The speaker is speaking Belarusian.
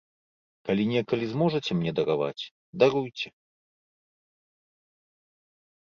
Калі некалі зможаце мне дараваць, даруйце.